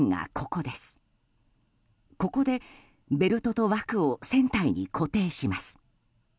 ここでベルトと枠を船体に固定します。